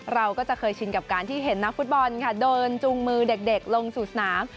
เราก็จะเคยชินกับการที่เห็นนักฟุตบอลค่ะเดินจูงมือเด็กลงสู่สนาม